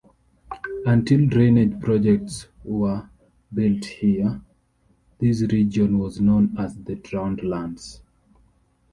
Until drainage projects were built here, this region was known as the Drowned Lands.